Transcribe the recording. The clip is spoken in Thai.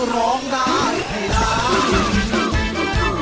ร้องได้ให้ร้าน